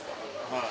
はい。